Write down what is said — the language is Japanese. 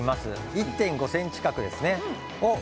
１．５ｃｍ角です。